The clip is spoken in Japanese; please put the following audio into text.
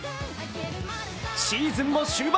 シーズンも終盤。